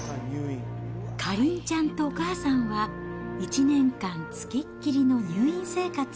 かりんちゃんとお母さんは、１年間つきっきりの入院生活。